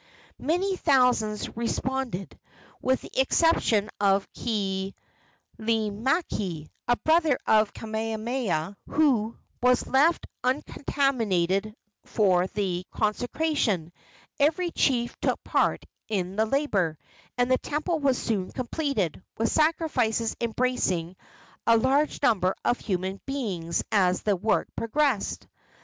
Many thousands responded. With the exception of Keliimaikai, a brother of Kamehameha, who was left uncontaminated for the consecration, every chief took part in the labor, and the temple was soon completed, with sacrifices embracing a large number of human beings as the work progressed.